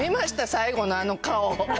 最後のあの顔。